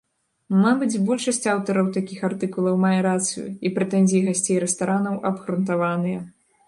Мабыць, большасць аўтараў такіх артыкулаў мае рацыю, і прэтэнзіі гасцей рэстаранаў абгрунтаваныя.